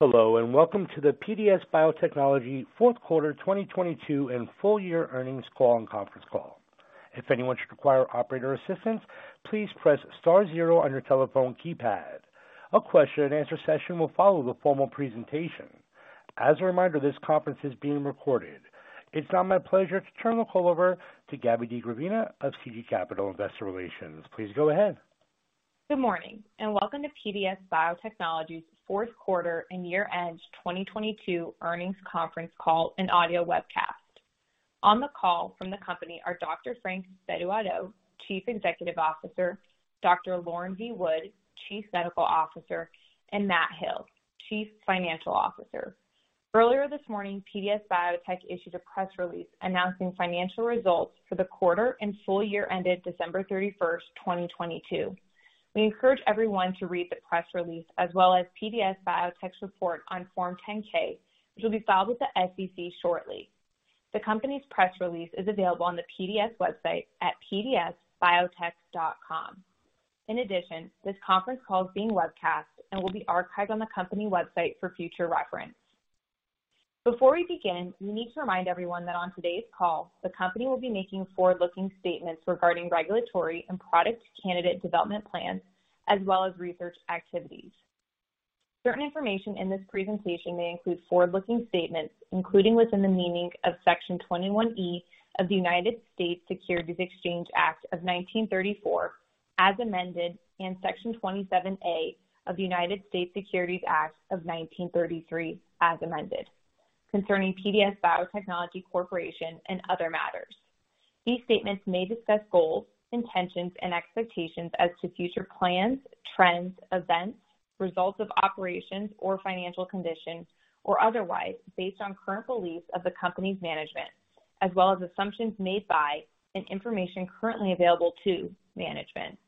Hello, welcome to the PDS Biotechnology fourth quarter 2022 and full-year earnings call and conference call. If anyone should require operator assistance, please press star zero on your telephone keypad. A question and answer session will follow the formal presentation. As a reminder, this conference is being recorded. It's now my pleasure to turn the call over to Gabby DeGravina of CG Capital Investor Relations. Please go ahead. Good morning, welcome to PDS Biotechnology's fourth quarter and year-end 2022 earnings conference call and audio webcast. On the call from the company are Dr. Frank Bedu-Addo, Chief Executive Officer, Dr. Lauren V. Wood, Chief Medical Officer, and Matthew Hill, Chief Financial Officer. Earlier this morning, PDS Biotech issued a press release announcing financial results for the quarter and full-year ended December 31st, 2022. We encourage everyone to read the press release as well as PDS Biotech's report on Form 10-K, which will be filed with the SEC shortly. The company's press release is available on the PDS website at pdsbiotech.com. In addition, this conference call is being webcast and will be archived on the company website for future reference. Before we begin, we need to remind everyone that on today's call, the company will be making forward-looking statements regarding regulatory and product candidate development plans, as well as research activities. Certain information in this presentation may include forward-looking statements, including within the meaning of Section 21E of the Securities Exchange Act of 1934, as amended, and Section 27A of the Securities Act of 1933 as amended, concerning PDS Biotechnology Corporation and other matters. These statements may discuss goals, intentions, and expectations as to future plans, trends, events, results of operations or financial conditions, or otherwise, based on current beliefs of the company's management, as well as assumptions made by and information currently available to management.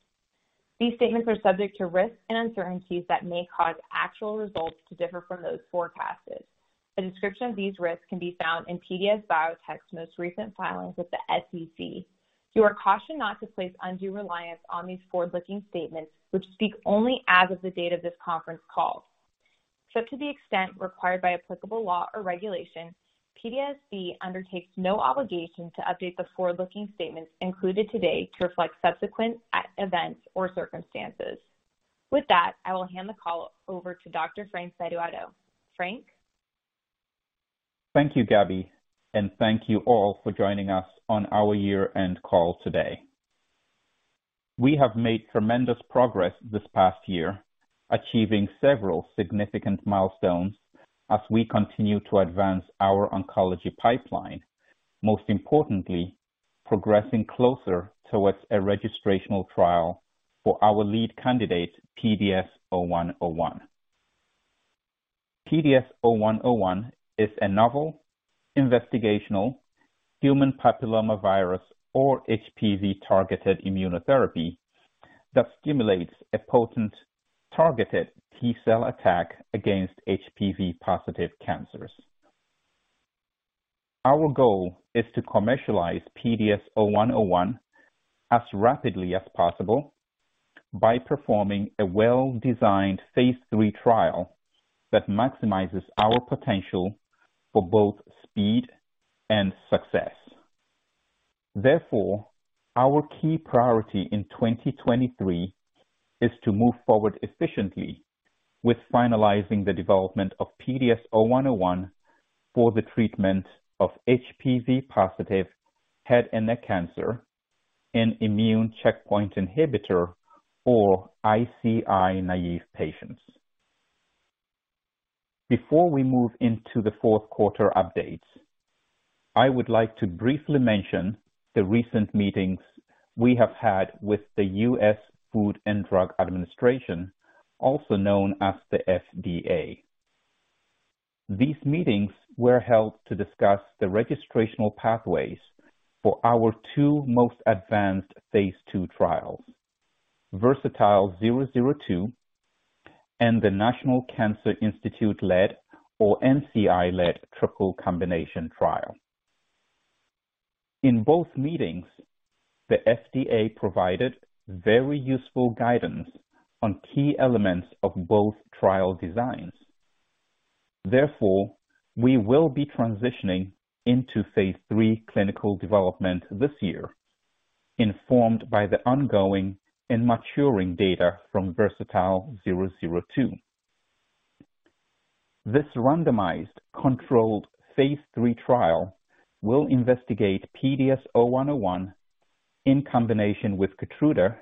These statements are subject to risks and uncertainties that may cause actual results to differ from those forecasted. A description of these risks can be found in PDS Biotech's most recent filings with the SEC. You are cautioned not to place undue reliance on these forward-looking statements which speak only as of the date of this conference call. To the extent required by applicable law or regulation, PDSB undertakes no obligation to update the forward-looking statements included today to reflect subsequent events or circumstances. With that, I will hand the call over to Dr. Frank Bedu-Addo. Frank. Thank you, Gabby, and thank you all for joining us on our year-end call today. We have made tremendous progress this past year, achieving several significant milestones as we continue to advance our oncology pipeline, most importantly, progressing closer towards a registrational trial for our lead candidate, PDS0101. PDS0101 is a novel investigational human papillomavirus or HPV-targeted immunotherapy that stimulates a potent, targeted T-cell attack against HPV-positive cancers. Our goal is to commercialize PDS0101 as rapidly as possible by performing a well-designed Phase 3 trial that maximizes our potential for both speed and success. Therefore, our key priority in 2023 is to move forward efficiently with finalizing the development of PDS0101 for the treatment of HPV-positive head and neck cancer in immune checkpoint inhibitor or ICI-naive patients. Before we move into the fourth quarter updates, I would like to briefly mention the recent meetings we have had with the U.S. Food and Drug Administration, also known as the FDA. These meetings were held to discuss the registrational pathways for our two most advanced phase II trials, VERSATILE-002 and the National Cancer Institute-led, or NCI-led, triple combination trial. In both meetings, the FDA provided very useful guidance on key elements of both trial designs. Therefore, we will be transitioning into phase III clinical development this year, informed by the ongoing and maturing data from VERSATILE-002. This randomized controlled phase III trial will investigate PDS0101 in combination with KEYTRUDA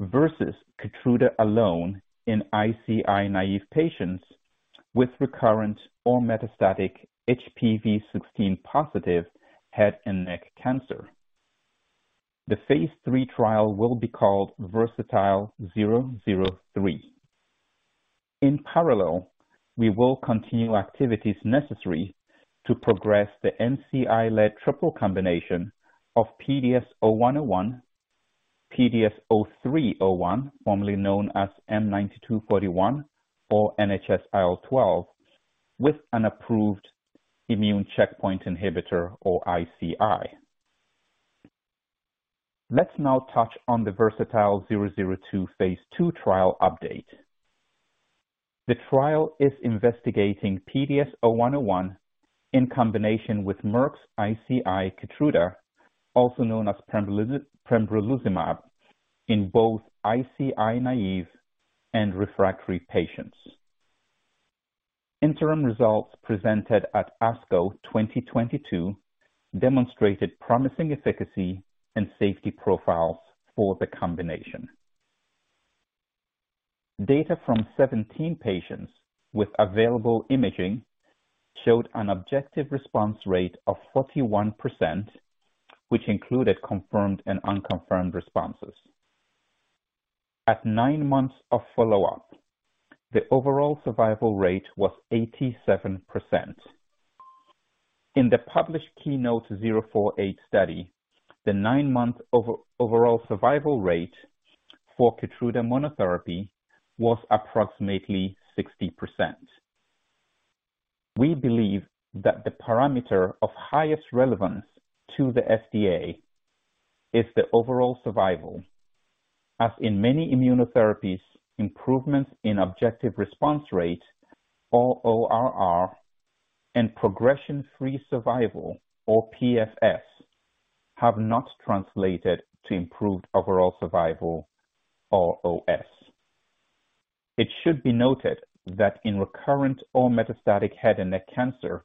versus KEYTRUDA alone in ICI-naive patients with recurrent or metastatic HPV-16 positive head and neck cancer. The phase III trial will be called VERSATILE-003. In parallel, we will continue activities necessary to progress the NCI-led triple combination of PDS0101, PDS0301, formerly known as M9241 or NHS-IL12, with an approved immune checkpoint inhibitor or ICI. Let's now touch on the VERSATILE-002 phase II trial update. The trial is investigating PDS0101 in combination with Merck's ICI KEYTRUDA, also known as pembrolizumab, in both ICI naive and refractory patients. Interim results presented at ASCO 2022 demonstrated promising efficacy and safety profiles for the combination. Data from 17 patients with available imaging showed an objective response rate of 41%, which included confirmed and unconfirmed responses. At nine months of follow-up, the overall survival rate was 87%. In the published KEYNOTE-048 study, the nine-month overall survival rate for KEYTRUDA monotherapy was approximately 60%. We believe that the parameter of highest relevance to the FDA is the overall survival. As in many immunotherapies, improvements in objective response rate or ORR and progression-free survival or PFS have not translated to improved overall survival or OS. It should be noted that in recurrent or metastatic head and neck cancer,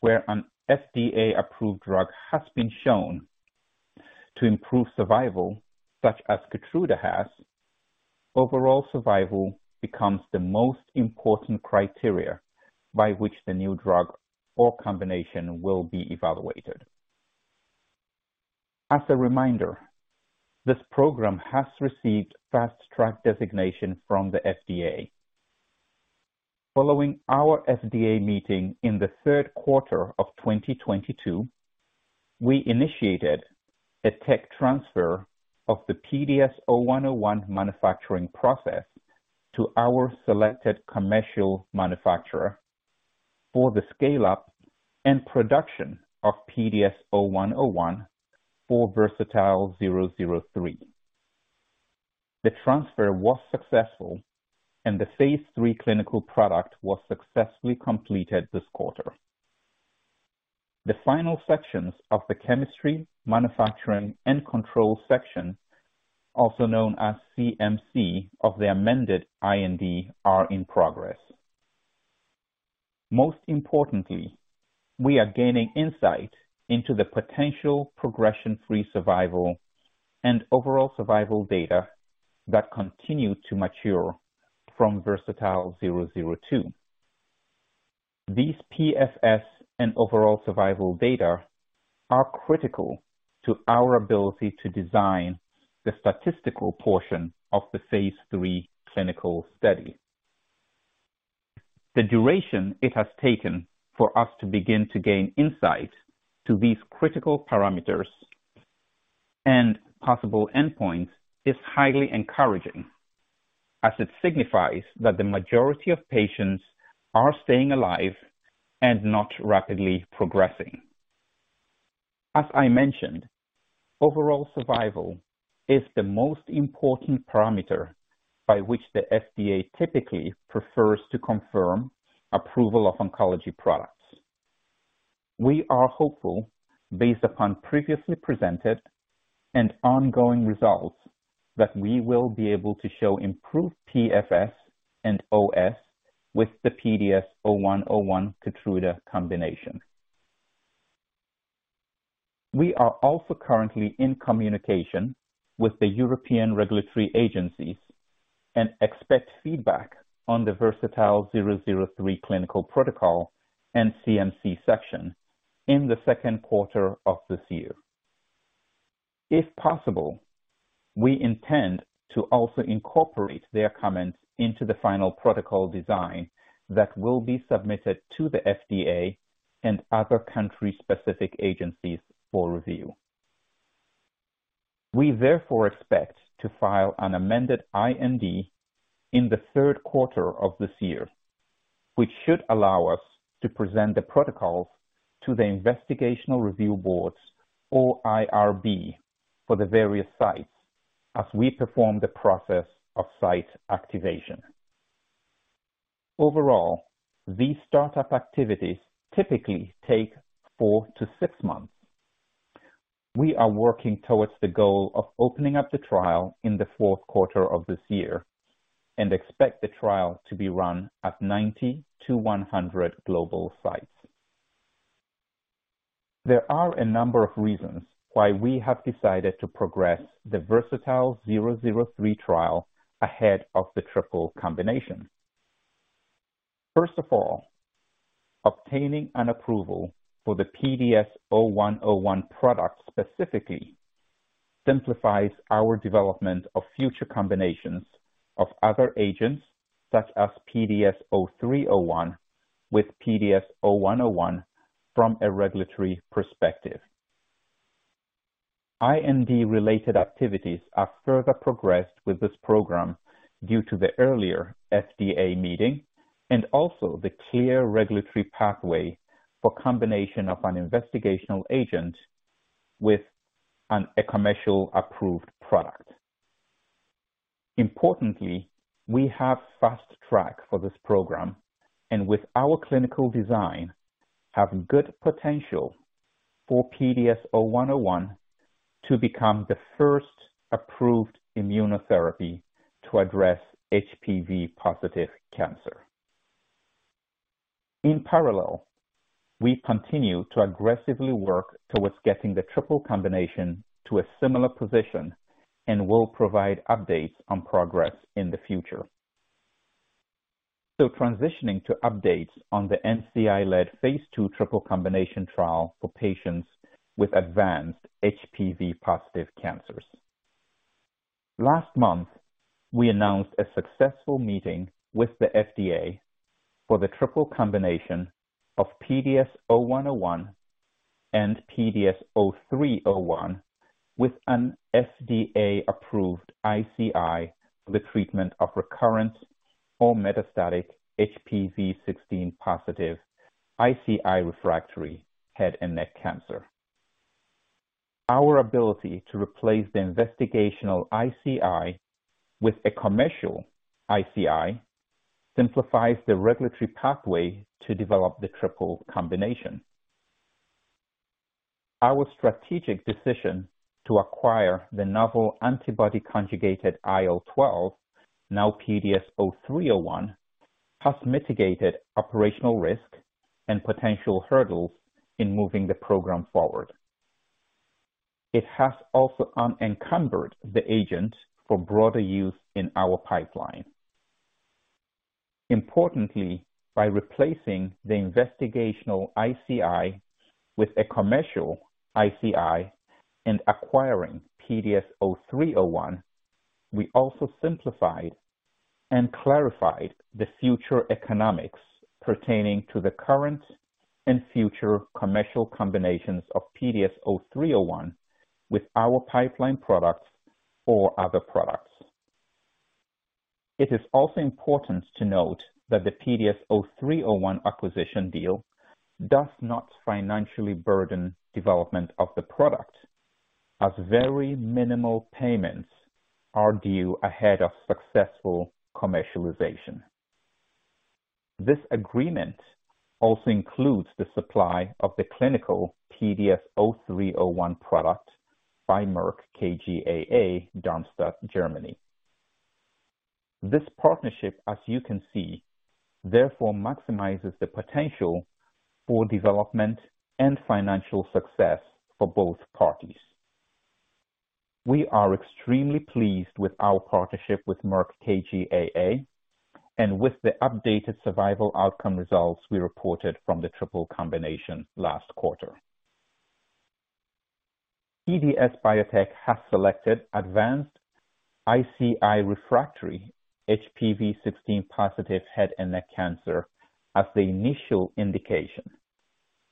where an FDA-approved drug has been shown to improve survival, such as KEYTRUDA has, overall survival becomes the most important criteria by which the new drug or combination will be evaluated. As a reminder, this program has received Fast Track designation from the FDA. Following our FDA meeting in the third quarter of 2022, we initiated a tech transfer of the PDS0101 manufacturing process to our selected commercial manufacturer for the scale up and production of PDS0101 for VERSATILE-003. The transfer was successful. The phase III clinical product was successfully completed this quarter. The final sections of the chemistry, manufacturing, and control section, also known as CMC of the amended IND, are in progress. Most importantly, we are gaining insight into the potential progression-free survival and overall survival data that continue to mature from VERSATILE-002. These PFS and overall survival data are critical to our ability to design the statistical portion of the phase IIII clinical study. The duration it has taken for us to begin to gain insight to these critical parameters and possible endpoints is highly encouraging, as it signifies that the majority of patients are staying alive and not rapidly progressing. As I mentioned, overall survival is the most important parameter by which the FDA typically prefers to confirm approval of oncology products. We are hopeful, based upon previously presented and ongoing results, that we will be able to show improved PFS and OS with the PDS0101 KEYTRUDA combination. We are also currently in communication with the European regulatory agencies and expect feedback on the VERSATILE-003 clinical protocol and CMC section in the second quarter of this year. If possible, we intend to also incorporate their comments into the final protocol design that will be submitted to the FDA and other country-specific agencies for review. We therefore expect to file an amended IND in the third quarter of this year, which should allow us to present the protocols to the Investigational Review Boards or IRB for the various sites as we perform the process of site activation. Overall, these start-up activities typically take four to six months. We are working towards the goal of opening up the trial in the fourth quarter of this year and expect the trial to be run at 90 to 100 global sites. There are a number of reasons why we have decided to progress the VERSATILE-003 trial ahead of the triple combination. First of all, obtaining an approval for the PDS0101 product specifically simplifies our development of future combinations of other agents such as PDS0301 with PDS0101 from a regulatory perspective. IND-related activities are further progressed with this program due to the earlier FDA meeting. Also, the clear regulatory pathway for combination of an investigational agent with a commercial approved product. Importantly, we have Fast Track for this program, and with our clinical design, have good potential for PDS0101 to become the first approved immunotherapy to address HPV-positive cancer. In parallel, we continue to aggressively work towards getting the triple combination to a similar position and will provide updates on progress in the future. Transitioning to updates on the NCI-led phase II triple combination trial for patients with advanced HPV-positive cancers. Last month, we announced a successful meeting with the FDA for the triple combination of PDS0101 and PDS0301 with an FDA-approved ICI for the treatment of recurrent or metastatic HPV-16-positive ICI-refractory head and neck cancer. Our ability to replace the investigational ICI with a commercial ICI simplifies the regulatory pathway to develop the triple combination. Our strategic decision to acquire the novel antibody conjugated IL-12, now PDS0301, has mitigated operational risk and potential hurdles in moving the program forward. It has also unencumbered the agent for broader use in our pipeline. Importantly, by replacing the investigational ICI with a commercial ICI and acquiring PDS0301, we also simplified and clarified the future economics pertaining to the current and future commercial combinations of PDS0301 with our pipeline products or other products. It is also important to note that the PDS0301 acquisition deal does not financially burden development of the product, as very minimal payments are due ahead of successful commercialization. This agreement also includes the supply of the clinical PDS0301 product by Merck KGaA, Darmstadt, Germany. This partnership, as you can see, therefore maximizes the potential for development and financial success for both parties. We are extremely pleased with our partnership with Merck KGaA and with the updated survival outcome results we reported from the triple combination last quarter. PDS Biotech has selected advanced ICI-refractory HPV-16 positive head and neck cancer as the initial indication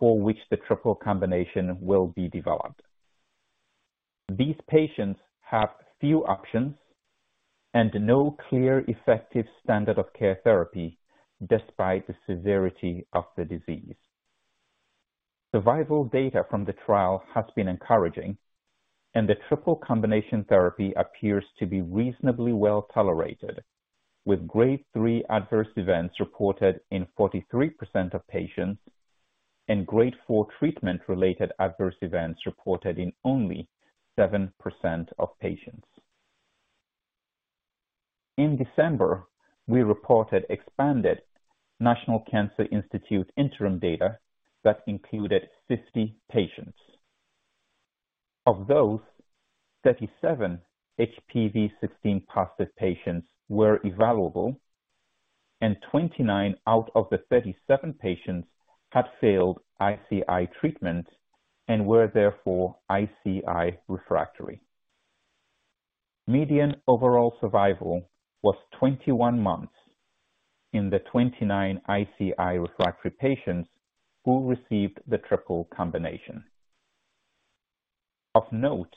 for which the triple combination will be developed. These patients have few options and no clear effective standard of care therapy despite the severity of the disease. Survival data from the trial has been encouraging, and the triple combination therapy appears to be reasonably well-tolerated, with grade 3 adverse events reported in 43% of patients and grade 4 treatment-related adverse events reported in only 7% of patients. In December, we reported expanded National Cancer Institute interim data that included 50 patients. Of those, 37 HPV-16 positive patients were evaluable, and 29 out of the 37 patients had failed ICI treatment and were therefore ICI refractory. Median overall survival was 21 months in the 29 ICI refractory patients who received the triple combination. Of note,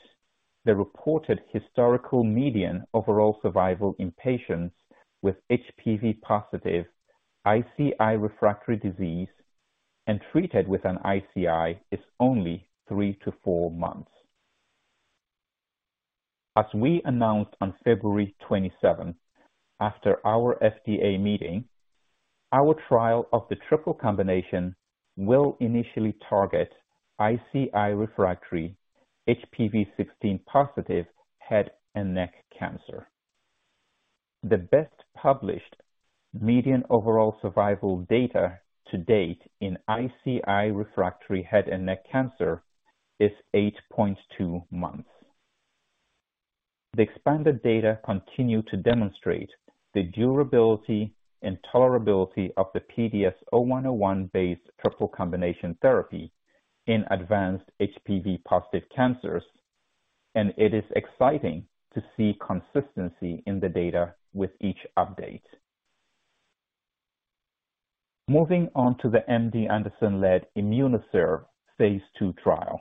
the reported historical median overall survival in patients with HPV-positive ICI refractory disease and treated with an ICI is only three to four months. As we announced on February 27th, after our FDA meeting, our trial of the triple combination will initially target ICI refractory HPV-16 positive head and neck cancer. The best published median overall survival data to date in ICI refractory head and neck cancer is eight point two months. The expanded data continue to demonstrate the durability and tolerability of the PDS0101-based triple combination therapy in advanced HPV-positive cancers. It is exciting to see consistency in the data with each update. Moving on to the MD Anderson-led IMMUNOCERV Phase II trial.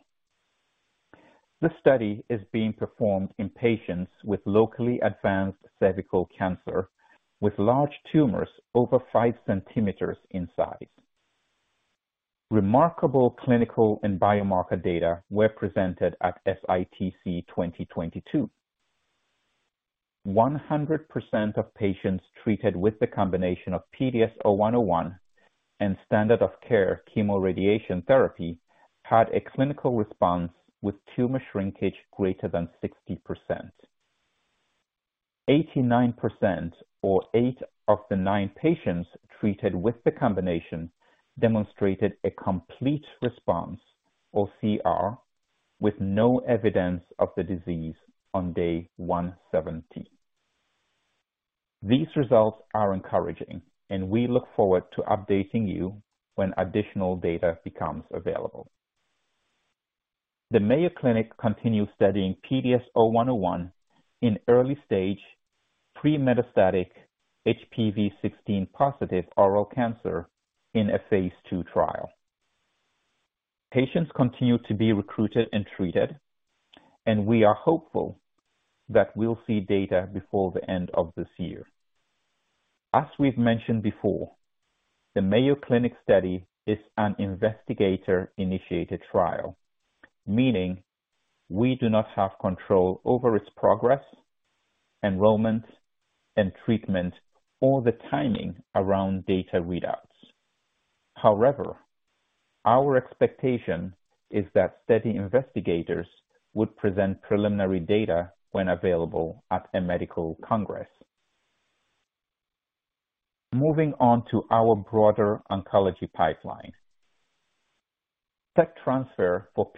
The study is being performed in patients with locally advanced cervical cancer with large tumors over 5 centimeters in size. Remarkable clinical and biomarker data were presented at SITC 2022. 100% of patients treated with the combination of PDS0101 and standard of care chemoradiation therapy had a clinical response with tumor shrinkage greater than 60%. 89% or eight of the nine patients treated with the combination demonstrated a complete response or CR with no evidence of the disease on day 170. These results are encouraging and we look forward to updating you when additional data becomes available. The Mayo Clinic continues studying PDS0101 in early stage pre-metastatic HPV-16 positive oral cancer in a phase II trial. Patients continue to be recruited and treated, and we are hopeful that we'll see data before the end of this year. As we've mentioned before, the Mayo Clinic study is an investigator-initiated trial, meaning we do not have control over its progress, enrollment, and treatment, or the timing around data readouts. However, our expectation is that study investigators would present preliminary data when available at a medical congress. Moving on to our broader oncology pipeline. Tech transfer for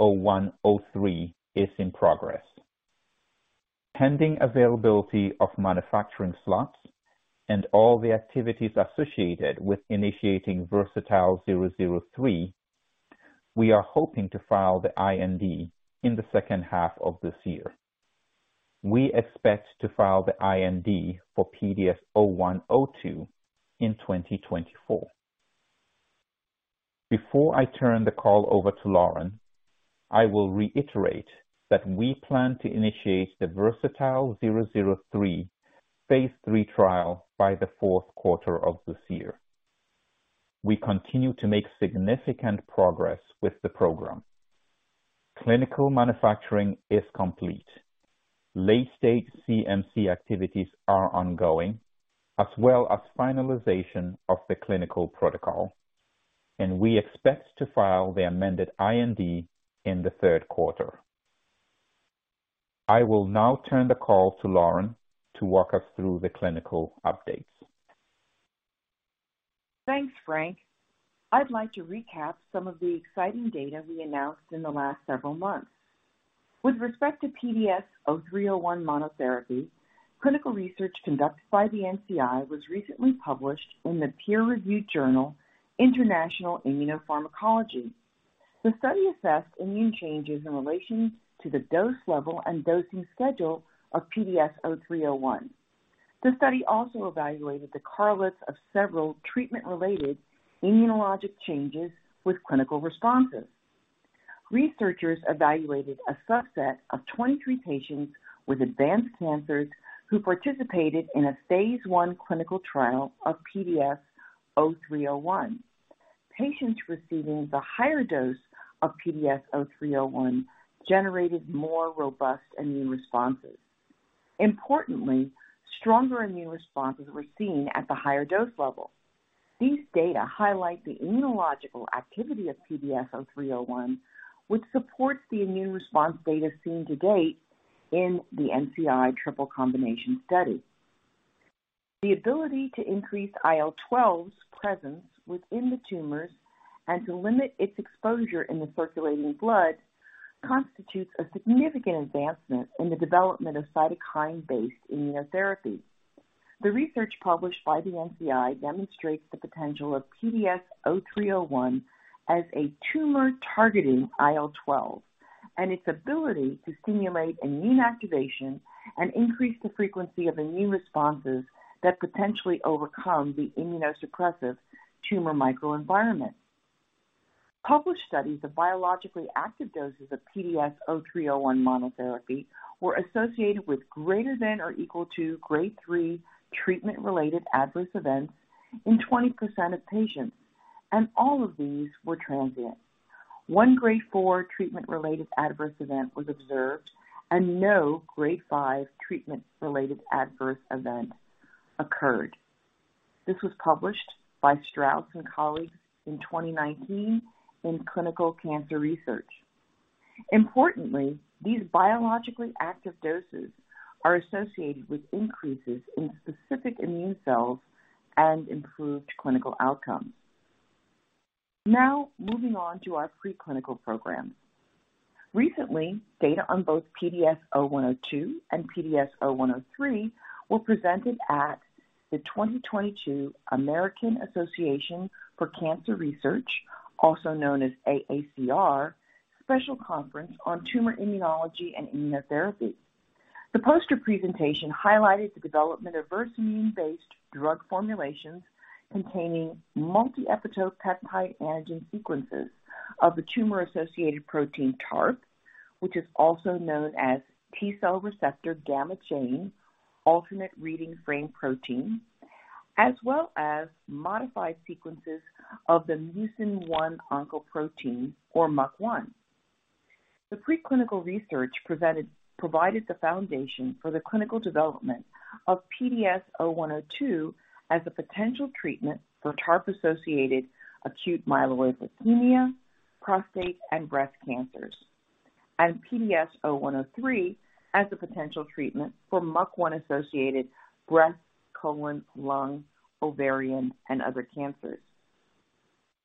PDS0103 is in progress. Pending availability of manufacturing slots and all the activities associated with initiating VERSATILE-003, we are hoping to file the IND in the second half of this year. We expect to file the IND for PDS0102 in 2024. Before I turn the call over to Lauren, I will reiterate that we plan to initiate the VERSATILE-003 phase III trial by the fourth quarter of this year. We continue to make significant progress with the program. Clinical manufacturing is complete. Late-stage CMC activities are ongoing, as well as finalization of the clinical protocol. We expect to file the amended IND in the third quarter. I will now turn the call to Lauren to walk us through the clinical updates. Thanks, Frank. I'd like to recap some of the exciting data we announced in the last several months. With respect to PDS0301 monotherapy, clinical research conducted by the NCI was recently published in the peer-reviewed journal International Immunopharmacology. The study assessed immune changes in relation to the dose level and dosing schedule of PDS0301. The study also evaluated the correlates of several treatment-related immunologic changes with clinical responses. Researchers evaluated a subset of 23 patients with advanced cancers who participated in a phase I clinical trial of PDS0301. Patients receiving the higher dose of PDS0301 generated more robust immune responses. Importantly, stronger immune responses were seen at the higher dose level. These data highlight the immunological activity of PDS0301, which supports the immune response data seen to date in the NCI triple combination study. The ability to increase IL-12's presence within the tumors and to limit its exposure in the circulating blood constitutes a significant advancement in the development of cytokine-based immunotherapies. The research published by the NCI demonstrates the potential of PDS0301 as a tumor-targeting IL-12 and its ability to stimulate immune activation and increase the frequency of immune responses that potentially overcome the immunosuppressive tumor microenvironment. Published studies of biologically active doses of PDS0301 monotherapy were associated with greater than or equal to grade 3 treatment-related adverse events in 20% of patients, and all of these were transient. 1 grade 4 treatment-related adverse event was observed, and no grade 5 treatment-related adverse event occurred. This was published by Strauss and colleagues in 2019 in Clinical Cancer Research. Importantly, these biologically active doses are associated with increases in specific immune cells and improved clinical outcomes. Now, moving on to our preclinical program. Recently, data on both PDS0102 and PDS0103 were presented at the 2022 American Association for Cancer Research, also known as AACR, Special Conference on Tumor Immunology and Immunotherapy. The poster presentation highlighted the development of Versamune-based drug formulations containing multi-epitope peptide antigen sequences of the tumor-associated protein TARP, which is also known as T-cell receptor gamma chain alternate reading frame protein, as well as modified sequences of the mucin 1 oncoprotein, or MUC1. The preclinical research presented provided the foundation for the clinical development of PDS0102 as a potential treatment for TARP-associated acute myeloid leukemia, prostate and breast cancers, and PDS0103 as a potential treatment for MUC1-associated breast, colon, lung, ovarian, and other cancers.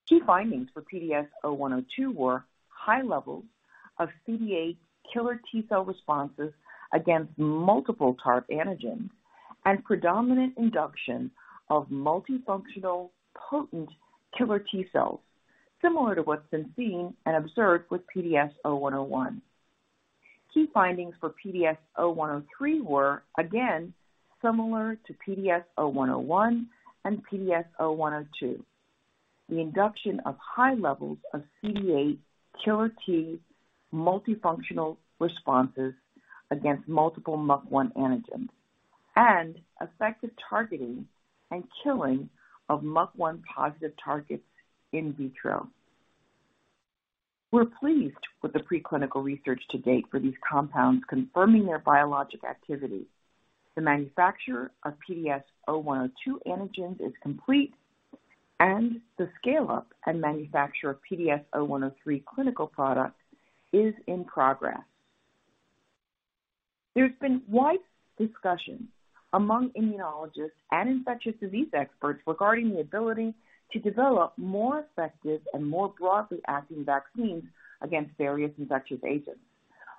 Key findings for PDS0102 were high levels of CD8 killer T-cell responses against multiple TARP antigens and predominant induction of multifunctional potent killer T-cells, similar to what's been seen and observed with PDS0101. Key findings for PDS0103 were, again, similar to PDS0101 and PDS0102. The induction of high levels of CD8 killer T multifunctional responses against multiple MUC1 antigens and effective targeting and killing of MUC1-positive targets in vitro. We're pleased with the preclinical research to date for these compounds confirming their biologic activity. The manufacture of PDS0102 antigens is complete, and the scale-up and manufacture of PDS0103 clinical product is in progress. There's been wide discussion among immunologists and infectious disease experts regarding the ability to develop more effective and more broadly acting vaccines against various infectious agents.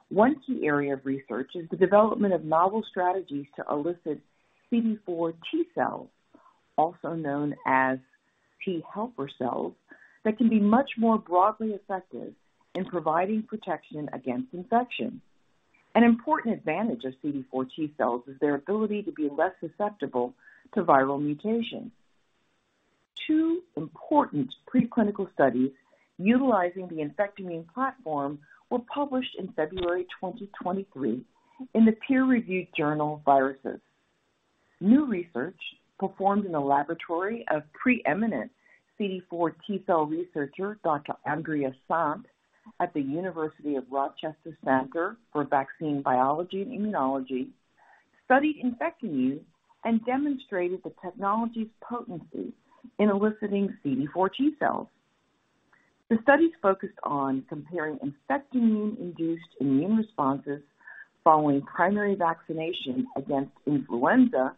One key area of research is the development of novel strategies to elicit CD4 T-cells, also known as T helper cells, that can be much more broadly effective in providing protection against infection. An important advantage of CD4 T-cells is their ability to be less susceptible to viral mutation. Two important preclinical studies utilizing the Infectimune platform were published in February 2023 in the peer-reviewed journal Viruses. New research performed in the laboratory of preeminent CD4 T-cell researcher Dr. Andrea Sant at the University of Rochester Center for Vaccine Biology and Immunology studied Infectimune and demonstrated the technology's potency in eliciting CD4 T-cells. The studies focused on comparing Infectimune-induced immune responses following primary vaccination against influenza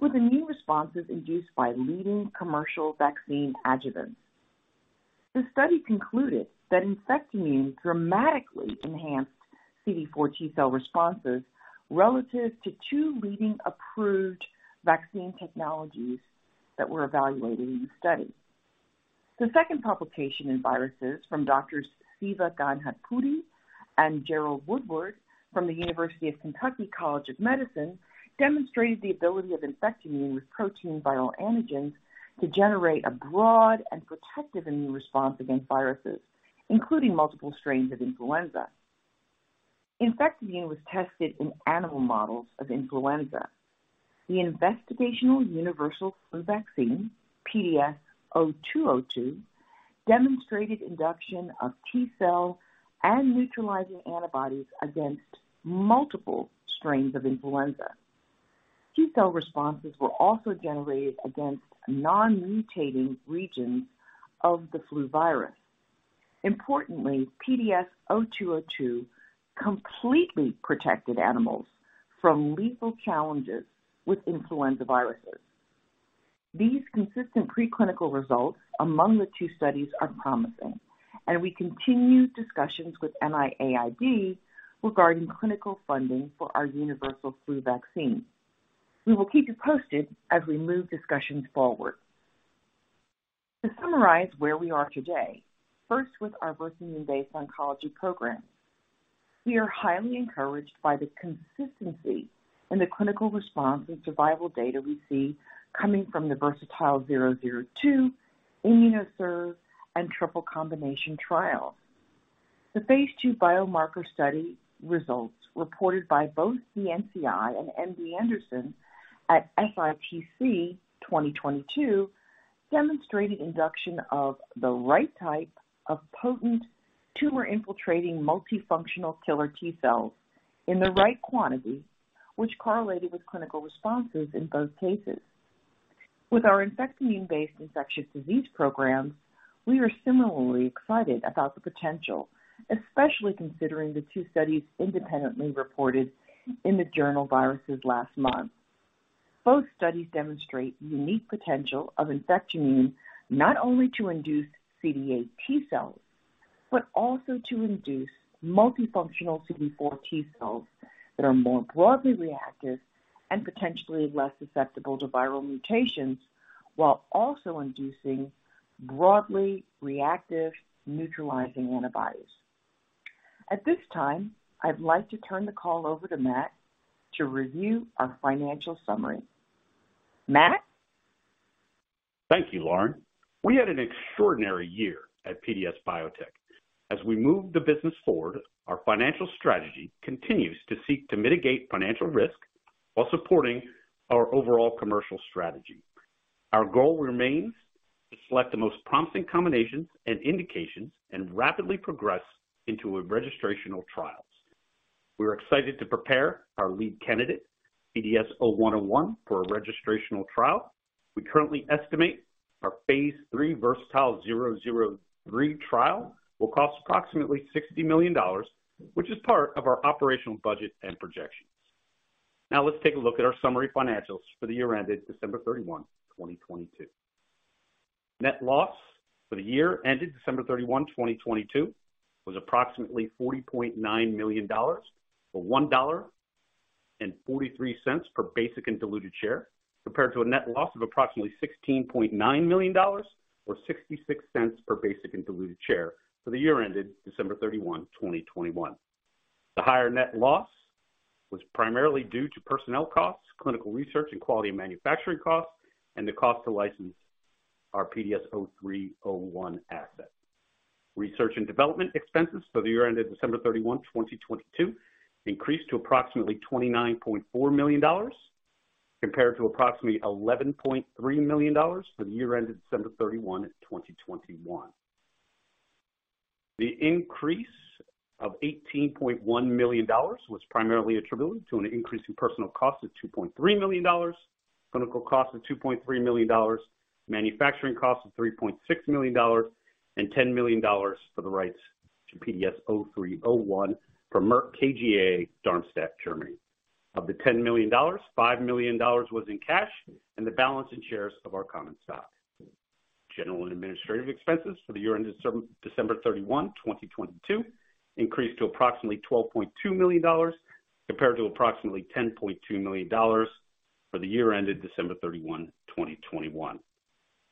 with immune responses induced by leading commercial vaccine adjuvants. The study concluded that Infectimune dramatically enhanced CD4 T-cell responses relative to two leading approved vaccine technologies that were evaluated in the study. The second publication in Viruses from Drs. Siva Ganapathi and Jerold Woodward from the University of Kentucky College of Medicine demonstrated the ability of Infectimune with protein viral antigens to generate a broad and protective immune response against viruses, including multiple strains of influenza. Infectimune was tested in animal models of influenza. The investigational universal flu vaccine, PDS0202, demonstrated induction of T-cell and neutralizing antibodies against multiple strains of influenza. T-cell responses were also generated against non-mutating regions of the flu virus. Importantly, PDS0202 completely protected animals from lethal challenges with influenza viruses. These consistent preclinical results among the two studies are promising, and we continue discussions with NIAID regarding clinical funding for our universal flu vaccine. We will keep you posted as we move discussions forward. To summarize where we are today, first with our Versamune-based oncology program. We are highly encouraged by the consistency in the clinical response and survival data we see coming from the VERSATILE-002, IMMUNOCERV, and triple combination trials. The phase II biomarker study results reported by both the NCI and MD Anderson at SITC 2022 demonstrated induction of the right type of potent tumor-infiltrating multifunctional killer T-cells in the right quantity, which correlated with clinical responses in both cases. With our Infectimune-based infectious disease programs, we are similarly excited about the potential, especially considering the two studies independently reported in the journal Viruses last month. Both studies demonstrate the unique potential of Infectimune not only to induce CD8 T-cells, but also to induce multifunctional CD4 T-cells that are more broadly reactive and potentially less susceptible to viral mutations. While also inducing broadly reactive neutralizing antibodies. At this time, I'd like to turn the call over to Matt to review our financial summary. Matt? Thank you, Lauren. We had an extraordinary year at PDS Biotech. As we move the business forward, our financial strategy continues to seek to mitigate financial risk while supporting our overall commercial strategy. Our goal remains to select the most promising combinations and indications and rapidly progress into registrational trials. We're excited to prepare our lead candidate, PDS0101, for a registrational trial. We currently estimate our phase III VERSATILE-003 trial will cost approximately $60 million, which is part of our operational budget and projections. Now let's take a look at our summary financials for the year ended December 31, 2022. Net loss for the year ended December 31, 2022 was approximately $40.9 million, or $1.43 per basic and diluted share, compared to a net loss of approximately $16.9 million or $0.66 per basic and diluted share for the year ended December 31, 2021. The higher net loss was primarily due to personnel costs, clinical research and quality manufacturing costs, and the cost to license our PDS0301 asset. Research and development expenses for the year ended December 31, 2022 increased to approximately $29.4 million, compared to approximately $11.3 million for the year ended December 31, 2021. The increase of $18.1 million was primarily attributable to an increase in personal cost of $2.3 million, clinical cost of $2.3 million, manufacturing cost of $3.6 million, and $10 million for the rights to PDS0301 from Merck KGaA, Darmstadt, Germany. Of the $10 million, $5 million was in cash and the balance in shares of our common stock. General and administrative expenses for the year ended December 31, 2022 increased to approximately $12.2 million, compared to approximately $10.2 million for the year ended December 31, 2021.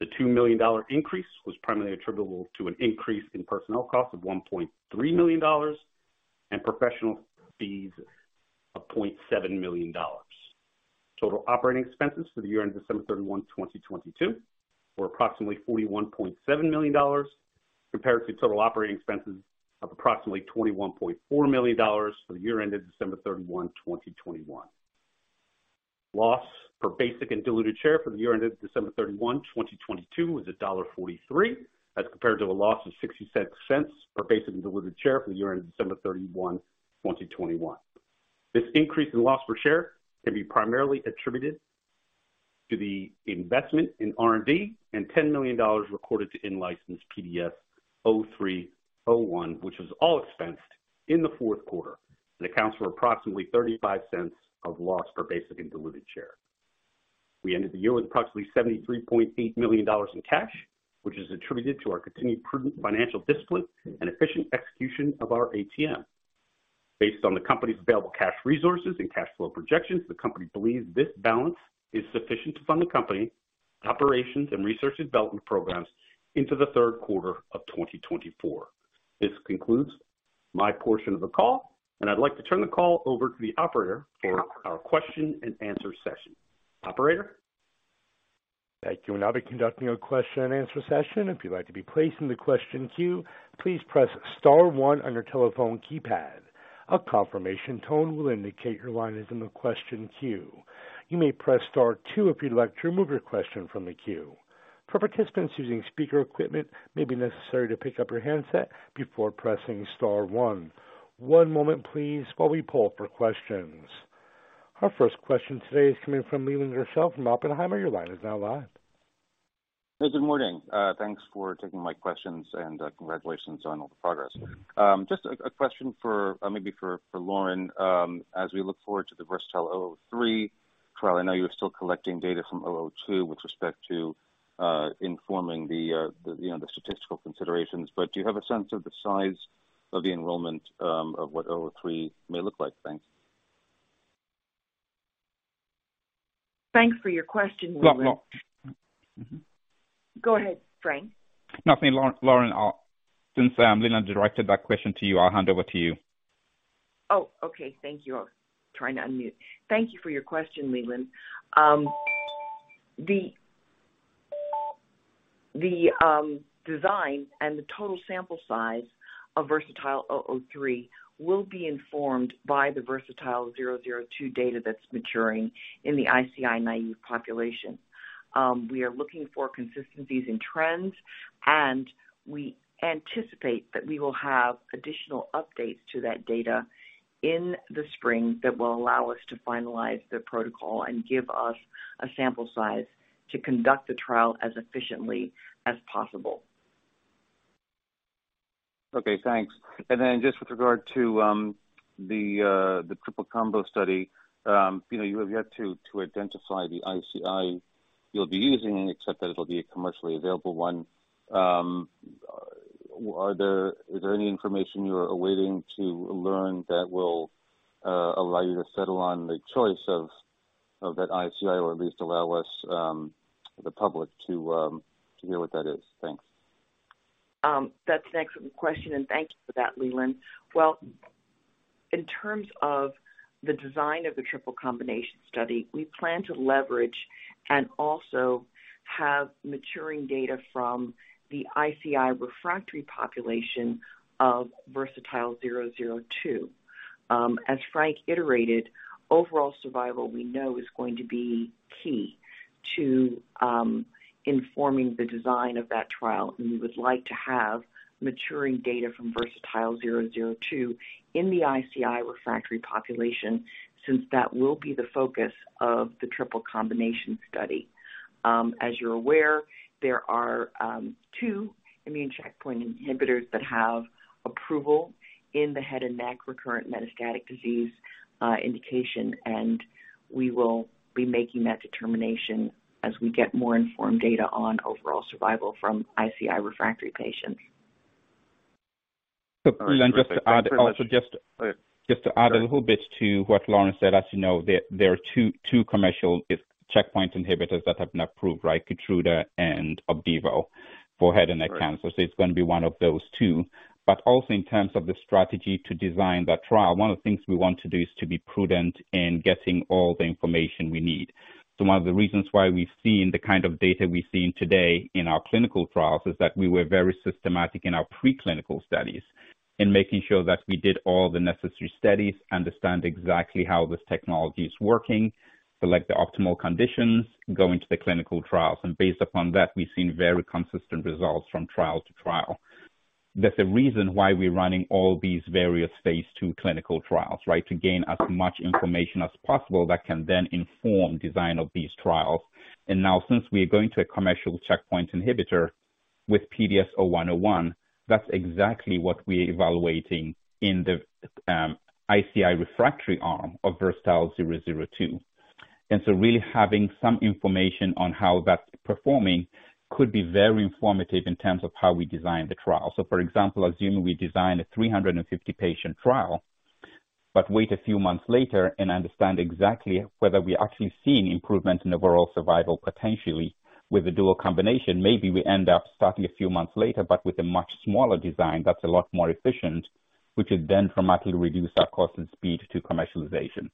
The $2 million increase was primarily attributable to an increase in personnel costs of $1.3 million and professional fees of $0.7 million. Total operating expenses for the year ended December 31, 2022 were approximately $41.7 million, compared to total operating expenses of approximately $21.4 million for the year ended December 31, 2021. Loss per basic and diluted share for the year ended December 31, 2022 was $1.43. That's compared to a loss of $0.66 per basic and diluted share for the year ended December 31, 2021. This increase in loss per share can be primarily attributed to the investment in R&D and $10 million recorded to in-license PDS0301, which was all expensed in the fourth quarter and accounts for approximately $0.35 of loss per basic and diluted share. We ended the year with approximately $73.8 million in cash, which is attributed to our continued prudent financial discipline and efficient execution of our ATM. Based on the company's available cash resources and cash flow projections, the company believes this balance is sufficient to fund the company operations and research and development programs into the third quarter of 2024. This concludes my portion of the call, I'd like to turn the call over to the operator for our question and answer session. Operator? Thank you. We'll now be conducting a question and answer session. If you'd like to be placed in the question queue, please press star one on your telephone keypad. A confirmation tone will indicate your line is in the question queue. You may press star two if you'd like to remove your question from the queue. For participants using speaker equipment, it may be necessary to pick up your handset before pressing star one. One moment please while we pull for questions. Our first question today is coming from Leland Gershell from Oppenheimer. Your line is now live. Hey, good morning. Thanks for taking my questions, congratulations on all the progress. Just a question for maybe for Lauren. As we look forward to the VERSATILE-003 trial, I know you are still collecting data from VERSATILE-002 with respect to informing the, you know, the statistical considerations, but do you have a sense of the size of the enrollment of what VERSATILE-003 may look like? Thanks. Thanks for your question, Leland. Mm-hmm. Go ahead, Frank. Nothing. Lauren, since Leland directed that question to you, I'll hand over to you. Okay. Thank you. I was trying to unmute. Thank you for your question, Leland. The design and the total sample size of VERSATILE-003 will be informed by the VERSATILE-002 data that's maturing in the ICI naive population. We are looking for consistencies in trends, and we anticipate that we will have additional updates to that data in the spring that will allow us to finalize the protocol and give us a sample size to conduct the trial as efficiently as possible. Okay, thanks. Then just with regard to the triple combo study, you know, you have yet to identify the ICI you'll be using, except that it'll be a commercially available one. Are there, is there any information you are awaiting to learn that will allow you to settle on the choice of that ICI, or at least allow us, the public to hear what that is? Thanks. That's an excellent question, and thank you for that, Leland. Well, in terms of the design of the triple combination study, we plan to leverage and also have maturing data from the ICI refractory population of VERSATILE-002. As Frank iterated, overall survival we know is going to be key to informing the design of that trial, and we would like to have maturing data from VERSATILE-002 in the ICI refractory population, since that will be the focus of the triple combination study. As you're aware, there are two immune checkpoint inhibitors that have approval in the head and neck recurrent metastatic disease indication, and we will be making that determination as we get more informed data on overall survival from ICI refractory patients. Leland, just to add also. Go ahead. Sorry. Just to add a little bit to what Lauren said. As you know, there are two commercial checkpoint inhibitors that have been approved, right? KEYTRUDA and OPDIVO for head and neck cancer. Right. It's gonna be one of those two. Also in terms of the strategy to design that trial, one of the things we want to do is to be prudent in getting all the information we need. One of the reasons why we've seen the kind of data we've seen today in our clinical trials is that we were very systematic in our preclinical studies in making sure that we did all the necessary studies, understand exactly how this technology is working, select the optimal conditions, go into the clinical trials. Based upon that, we've seen very consistent results from trial to trial. That's the reason why we're running all these various phase II clinical trials, right? To gain as much information as possible that can then inform design of these trials. Now, since we are going to a commercial checkpoint inhibitor with PDS0101, that's exactly what we're evaluating in the ICI refractory arm of VERSATILE-002. Really having some information on how that's performing could be very informative in terms of how we design the trial. For example, assuming we design a 350 patient trial, but wait a few months later and understand exactly whether we're actually seeing improvement in the overall survival, potentially with a dual combination, maybe we end up starting a few months later, but with a much smaller design that's a lot more efficient, which would then dramatically reduce our cost and speed to commercialization.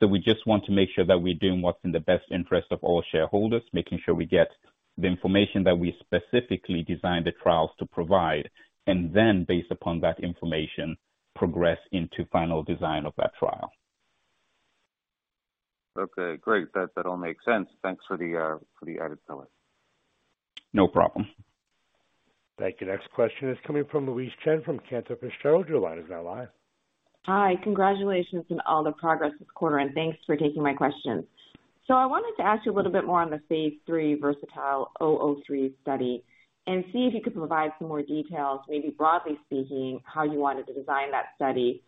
We just want to make sure that we're doing what's in the best interest of all shareholders, making sure we get the information that we specifically designed the trials to provide, and then based upon that information, progress into final design of that trial. Okay, great. That all makes sense. Thanks for the for the added color. No problem. Thank you. Next question is coming from Louise Chen from Cantor Fitzgerald. Your line is now live. Hi. Congratulations on all the progress this quarter, and thanks for taking my questions. I wanted to ask you a little bit more on the phase III VERSATILE-003 study and see if you could provide some more details, maybe broadly speaking, how you wanted to design that study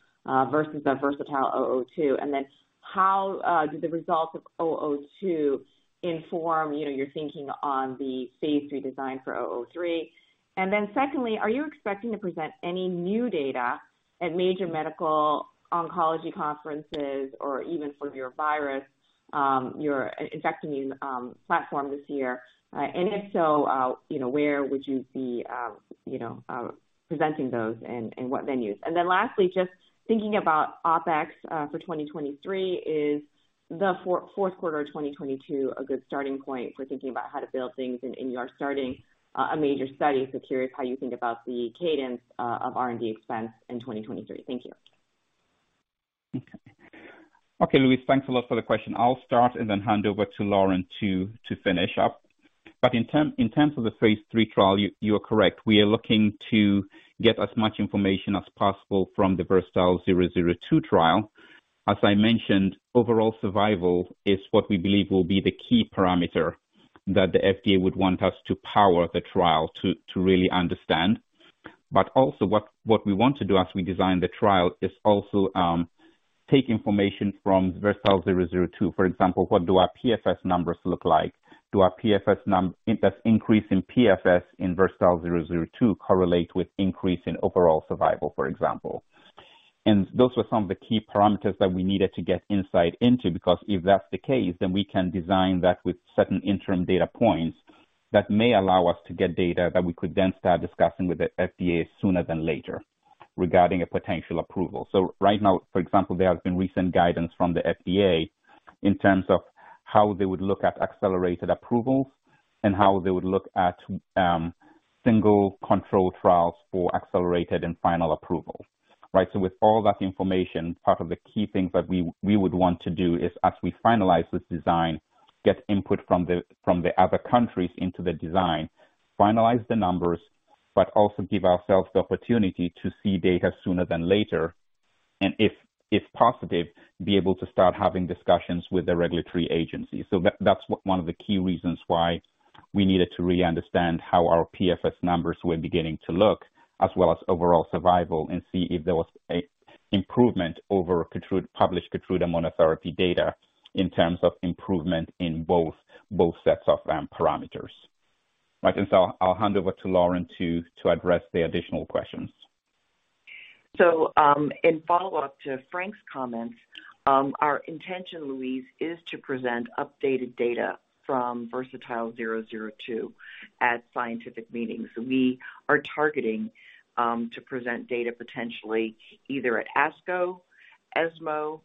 versus the VERSATILE-002? Then how do the results of 002 inform, you know, your thinking on the phase III design for 003? Then secondly, are you expecting to present any new data at major medical oncology conferences or even for your virus, your Infectimune platform this year? If so, you know, where would you be presenting those and what venues? Lastly, just thinking about OpEx, for 2023, is the fourth quarter 2022 a good starting point for thinking about how to build things and you are starting a major study. Curious how you think about the cadence of R&D expense in 2023. Thank you. Okay. Okay, Louise, thanks a lot for the question. I'll start and then hand over to Lauren to finish up. In terms of the phase III trial, you are correct. We are looking to get as much information as possible from the VERSATILE-002 trial. As I mentioned, overall survival is what we believe will be the key parameter that the FDA would want us to power the trial to really understand. Also what we want to do as we design the trial is also take information from VERSATILE-002. For example, what do our PFS numbers look like? Do our PFS num-- does increase in PFS in VERSATILE-002 correlate with increase in overall survival, for example? Those were some of the key parameters that we needed to get insight into, because if that's the case, then we can design that with certain interim data points that may allow us to get data that we could then start discussing with the FDA sooner than later regarding a potential approval. Right now, for example, there has been recent guidance from the FDA in terms of how they would look at accelerated approvals and how they would look at single control trials for accelerated and final approvals, right? With all that information, part of the key things that we would want to do is as we finalize this design, get input from the other countries into the design, finalize the numbers, but also give ourselves the opportunity to see data sooner than later, and if positive, be able to start having discussions with the regulatory agencies. That's what one of the key reasons why we needed to really understand how our PFS numbers were beginning to look, as well as overall survival, and see if there was Improvement over KEYTRUDA, published KEYTRUDA monotherapy data in terms of improvement in both sets of parameters. Right. I'll hand over to Lauren to address the additional questions. In follow-up to Frank's comments, our intention, Louise, is to present updated data from VERSATILE-002 at scientific meetings. We are targeting to present data potentially either at ASCO, ESMO,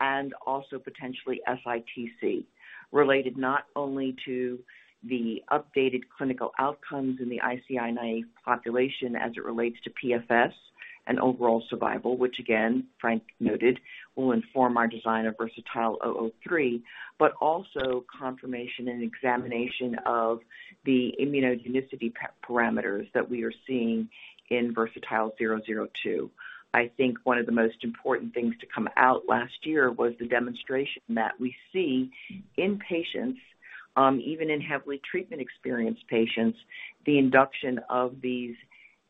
and also potentially SITC, related not only to the updated clinical outcomes in the ICI-naive population as it relates to PFS and overall survival, which again, Frank noted, will inform our design of VERSATILE-003, but also confirmation and examination of the immunogenicity parameters that we are seeing in VERSATILE-002. I think one of the most important things to come out last year was the demonstration that we see in patients, even in heavily treatment experienced patients, the induction of these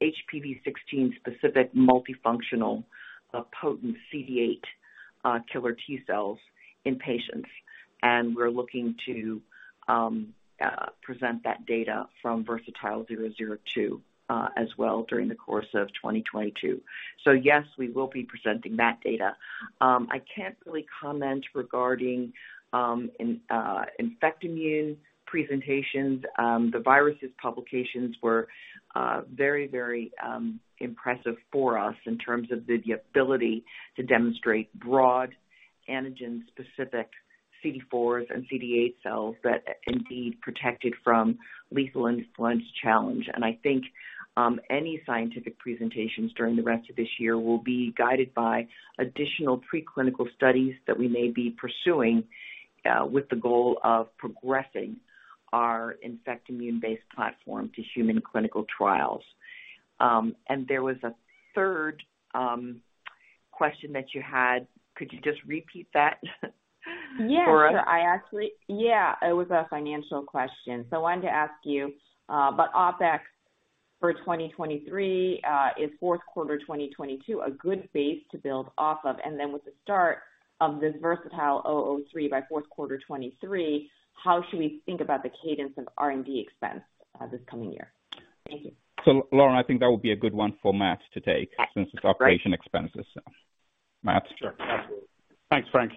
HPV-16 specific multifunctional, potent CD-8 killer T-cells in patients. We're looking to present that data from VERSATILE-002 as well during the course of 2022. Yes, we will be presenting that data. I can't really comment regarding Infectimune presentations. The Viruses publications were very impressive for us in terms of the ability to demonstrate broad antigen-specific CD4 and CD8 cells that indeed protected from lethal influence challenge. I think any scientific presentations during the rest of this year will be guided by additional preclinical studies that we may be pursuing with the goal of progressing our Infectimune-based platform to human clinical trials. There was a third question that you had. Could you just repeat that for us? Yes. Yeah, it was a financial question. I wanted to ask you, but OpEx for 2023, is fourth quarter 2022 a good base to build off of? With the start of this VERSATILE-003 by fourth quarter 2023, how should we think about the cadence of R&D expense this coming year? Thank you. Lauren, I think that would be a good one for Matt to take since it's operation expenses. Matt? Sure. Absolutely. Thanks, Frank.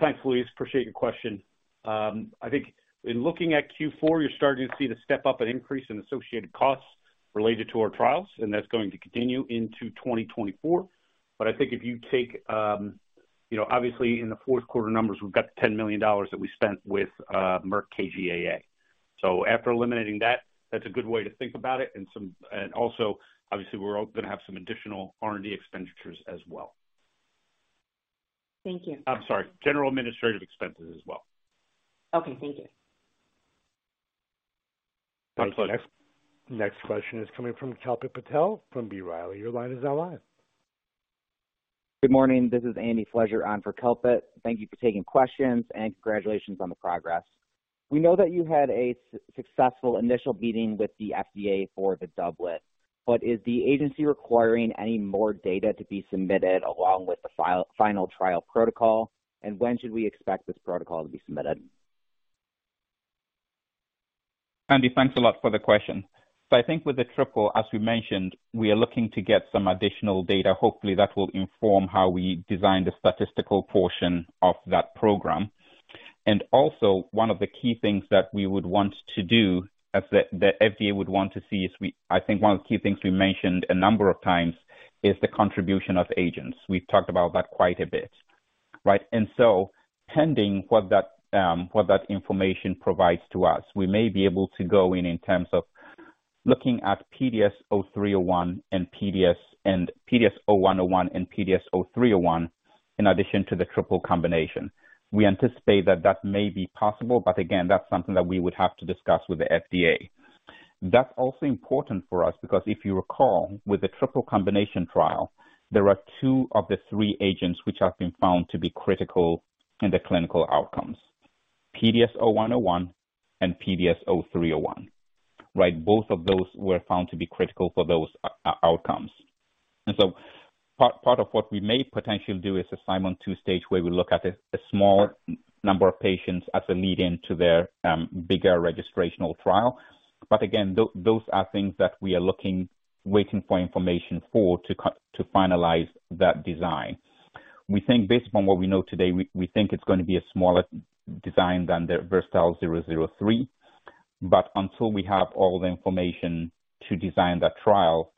Thanks, Louise. Appreciate your question. I think in looking at Q4, you're starting to see the step up and increase in associated costs related to our trials, and that's going to continue into 2024. I think if you take, you know, obviously in the fourth quarter numbers, we've got the $10 million that we spent with Merck KGaA. After eliminating that's a good way to think about it. Also, obviously, we're all gonna have some additional R&D expenditures as well. Thank you. I'm sorry. General administrative expenses as well. Okay, thank you. Thanks, Louise. Next question is coming from Kalpit Patel from B. Riley. Your line is now live. Good morning. This is Andy Fleszar on for Kalpit. Thank you for taking questions, and congratulations on the progress. We know that you had a successful initial meeting with the FDA for the doublet. Is the agency requiring any more data to be submitted along with the final trial protocol? When should we expect this protocol to be submitted? Andy, thanks a lot for the question. I think with the triple, as we mentioned, we are looking to get some additional data. Hopefully, that will inform how we design the statistical portion of that program. Also one of the key things that we would want to do, as the FDA would want to see is I think one of the key things we mentioned a number of times is the contribution of agents. We've talked about that quite a bit, right? Pending what that information provides to us, we may be able to go in terms of looking at PDS0301 and PDS, and PDS0101 and PDS0301 in addition to the triple combination. We anticipate that that may be possible, but again, that's something that we would have to discuss with the FDA. That's also important for us because if you recall, with the triple combination trial, there are two of the three agents which have been found to be critical in the clinical outcomes, PDS0101 and PDS0301. Right? Both of those were found to be critical for those outcomes. Part of what we may potentially do is a Simon two-stage, where we look at a small number of patients as a lead-in to their bigger registrational trial. Those are things that we are looking, waiting for information for, to finalize that design. We think based on what we know today, we think it's gonna be a smaller design than the VERSATILE-003. Until we have all the information to design that trial,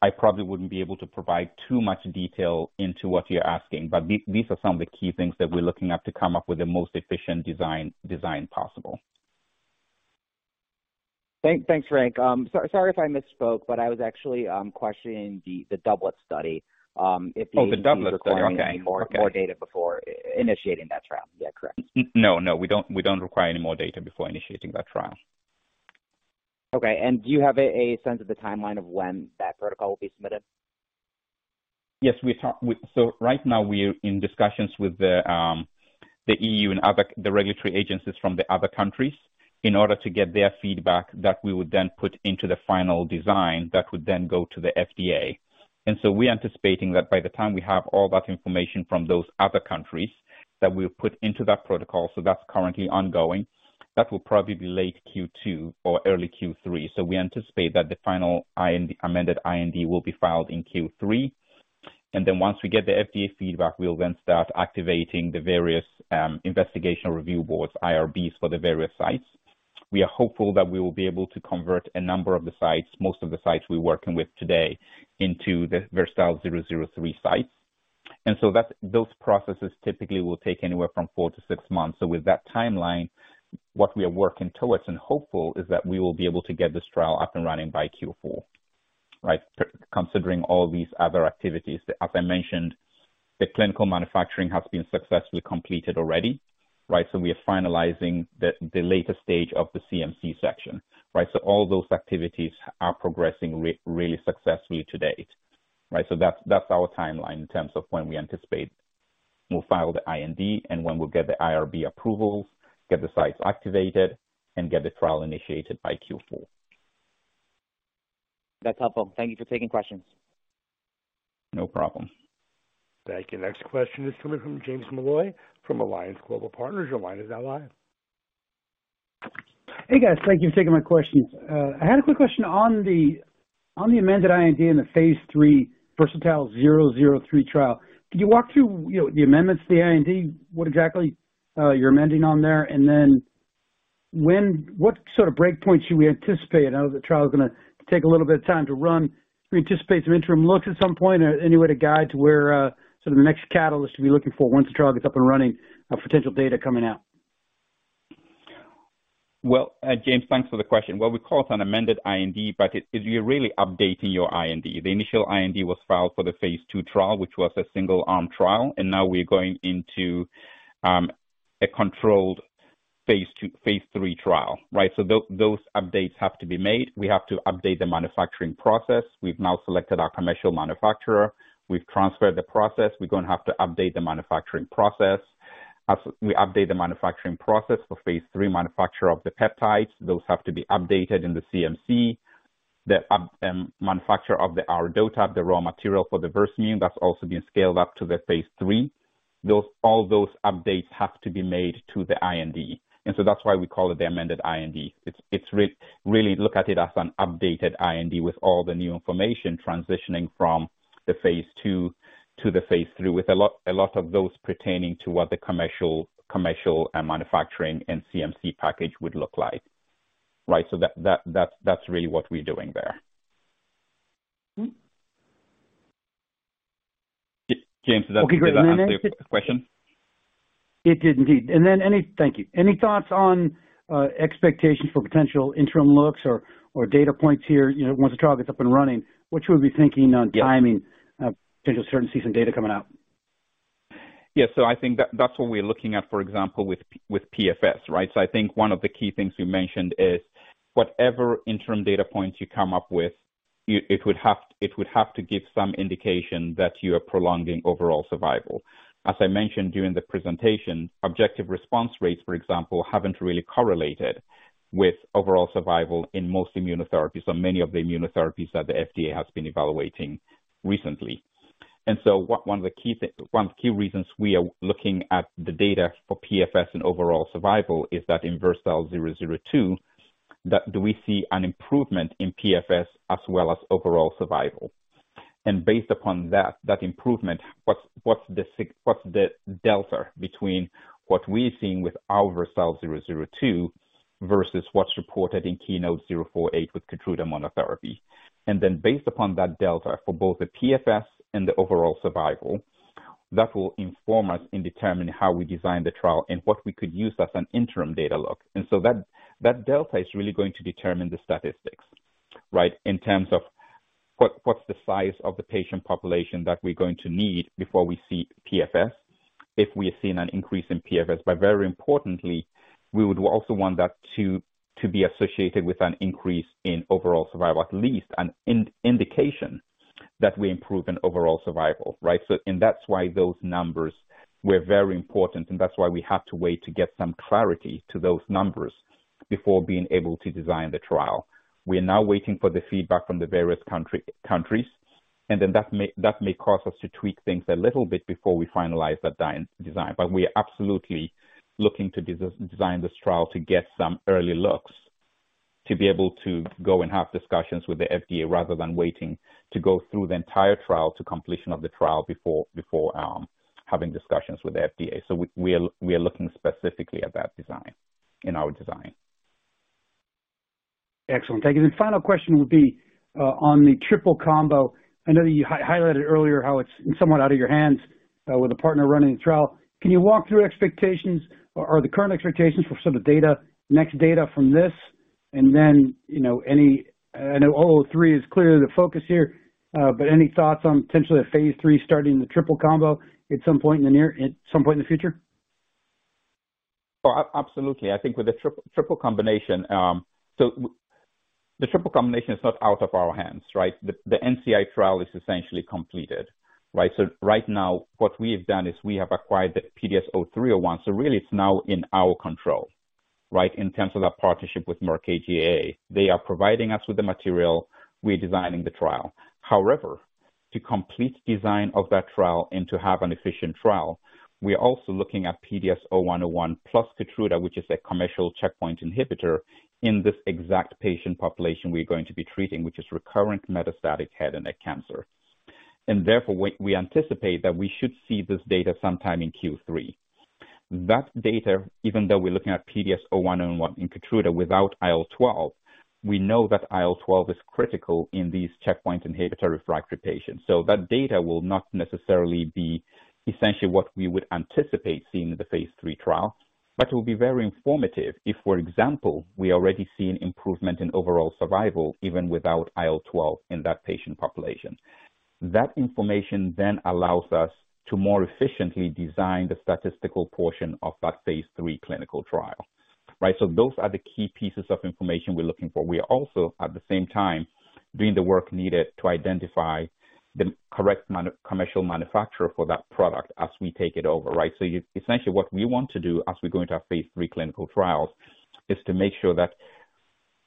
I probably wouldn't be able to provide too much detail into what you're asking. These are some of the key things that we're looking at to come up with the most efficient design possible. Thanks, Frank. Sorry if I misspoke, I was actually questioning the doublet study. If the. Oh, the doublet study. Okay. Okay. doubles requiring any more data before initiating that trial. Yeah, correct. No, we don't require any more data before initiating that trial. Okay. Do you have a sense of the timeline of when that protocol will be submitted? Yes. Right now we are in discussions with the EU and other regulatory agencies from the other countries in order to get their feedback that we would then put into the final design that would then go to the FDA. We're anticipating that by the time we have all that information from those other countries that we'll put into that protocol. That's currently ongoing. That will probably be late Q2 or early Q3. We anticipate that the final amended IND will be filed in Q3. Once we get the FDA feedback, we'll then start activating the various investigational review boards, IRBs, for the various sites. We are hopeful that we will be able to convert a number of the sites, most of the sites we're working with today, into the VERSATILE-003 sites. That's those processes typically will take anywhere from four to six months. With that timeline, what we are working towards and hopeful is that we will be able to get this trial up and running by Q4, right? Considering all these other activities. As I mentioned, the clinical manufacturing has been successfully completed already, right? We are finalizing the later stage of the CMC section, right? All those activities are progressing really successfully to date, right? That's our timeline in terms of when we anticipate we'll file the IND and when we'll get the IRB approvals, get the sites activated, and get the trial initiated by Q4. That's helpful. Thank you for taking questions. No problem. Thank you. Next question is coming from James Molloy from Alliance Global Partners. Your line is now live. Hey, guys. Thank you for taking my questions. I had a quick question on the, on the amended IND in the phase III VERSATILE-003 trial. Could you walk through, you know, the amendments to the IND, what exactly you're amending on there? Then what sort of breakpoints should we anticipate? I know the trial is gonna take a little bit of time to run. Do you anticipate some interim looks at some point or any way to guide to where sort of the next catalyst to be looking for once the trial gets up and running, potential data coming out? Well, James, thanks for the question. We call it an amended IND, but it's you're really updating your IND. The initial IND was filed for the phase II trial, which was a single-arm trial, and now we're going into a controlled phase III trial, right? Those updates have to be made. We have to update the manufacturing process. We've now selected our commercial manufacturer. We've transferred the process. We're gonna have to update the manufacturing process. As we update the manufacturing process for phase III manufacture of the peptides, those have to be updated in the CMC. The manufacturer of the R-DOTAP, the raw material for the Versamune that's also being scaled up to the phase III. All those updates have to be made to the IND. That's why we call it the amended IND. It's really look at it as an updated IND with all the new information transitioning from the phase II to the phase III, with a lot of those pertaining to what the commercial and manufacturing and CMC package would look like, right? That's really what we're doing there. Mm-hmm. James, does that- Okay, great. Does that answer your question? It did indeed. Thank you. Any thoughts on expectations for potential interim looks or data points here, you know, once the trial gets up and running? What should we be thinking on timing? Yeah. potential to start to see some data coming out? I think that's what we're looking at, for example, with PFS, right? I think one of the key things we mentioned is whatever interim data points you come up with, it would have to give some indication that you are prolonging overall survival. As I mentioned during the presentation, objective response rates, for example, haven't really correlated with overall survival in most immunotherapies or many of the immunotherapies that the FDA has been evaluating recently. One of the key reasons we are looking at the data for PFS and overall survival is that in VERSATILE-002, that do we see an improvement in PFS as well as overall survival? Based upon that improvement, what's the delta between what we're seeing with our VERSATILE-002 versus what's reported in KEYNOTE-048 with KEYTRUDA monotherapy. Based upon that delta for both the PFS and the overall survival, that will inform us and determine how we design the trial and what we could use as an interim data look. That delta is really going to determine the statistics, right? In terms of what's the size of the patient population that we're going to need before we see PFS, if we have seen an increase in PFS. Very importantly, we would also want that to be associated with an increase in overall survival, at least an indication that we improve in overall survival, right? That's why those numbers were very important, and that's why we have to wait to get some clarity to those numbers before being able to design the trial. We are now waiting for the feedback from the various countries, that may cause us to tweak things a little bit before we finalize that design. We are absolutely looking to design this trial to get some early looks, to be able to go and have discussions with the FDA rather than waiting to go through the entire trial to completion of the trial before having discussions with the FDA. We are looking specifically at that design in our design. Excellent. Thank you. The final question would be on the triple combo. I know that you highlighted earlier how it's somewhat out of your hands with a partner running the trial. Can you walk through expectations or the current expectations for some of the data, next data from this? You know, any, I know 003 is clearly the focus here, but any thoughts on potentially a phase III starting the triple combo at some point in the future? Absolutely. I think with the triple combination, the triple combination is not out of our hands, right? The NCI trial is essentially completed, right? Right now what we have done is we have acquired the PDS0301. Really it's now in our control, right? In terms of that partnership with Merck KGaA. They are providing us with the material, we're designing the trial. However, to complete design of that trial and to have an efficient trial, we are also looking at PDS0101 plus KEYTRUDA, which is a commercial checkpoint inhibitor in this exact patient population we're going to be treating, which is recurrent metastatic head and neck cancer. Therefore, we anticipate that we should see this data sometime in Q3. That data, even though we're looking at PDS0101 in KEYTRUDA without IL-12, we know that IL-12 is critical in these checkpoint inhibitor-refractory patients. That data will not necessarily be essentially what we would anticipate seeing in the phase III trial, but it will be very informative if, for example, we already see an improvement in overall survival even without IL-12 in that patient population. That information then allows us to more efficiently design the statistical portion of that phase III clinical trial, right? Those are the key pieces of information we're looking for. We are also, at the same time, doing the work needed to identify the correct commercial manufacturer for that product as we take it over, right? Essentially what we want to do as we go into our phase III clinical trials is to make sure that